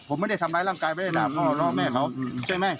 ผมไม่ได้ทำร้ายร่างกายไม่ได้ด่าพ่อล่อแม่เขาใช่ไหม